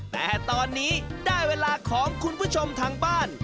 แต่ตอนนี้ได้เวลาของคุณผู้ชมทางบ้าน